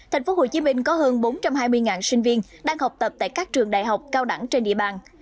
tp hcm có hơn bốn trăm hai mươi sinh viên đang học tập tại các trường đại học cao đẳng trên địa bàn